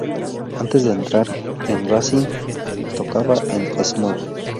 Antes de entrar en Rancid, tocaba en Smog.